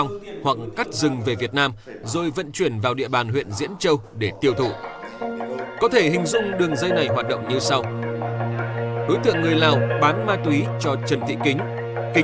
người cung cấp cho ma túy số lưỡng mà túy này cho đối tượng lan